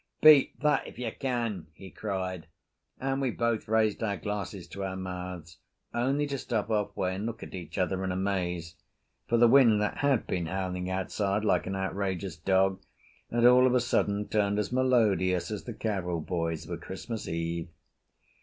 "Beat that if you can!" he cried, and we both raised our glasses to our mouths, only to stop half way and look at each other in amaze. For the wind that had been howling outside like an outrageous dog had all of a sudden turned as melodious as the carol boys of a Christmas Eve.